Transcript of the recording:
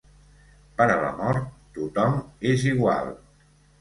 Per a la mort tothom és igual.